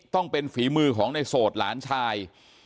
ต้องเป็นฝีมือของในโสดหลานชาย